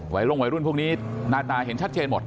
ลงวัยรุ่นพวกนี้หน้าตาเห็นชัดเจนหมด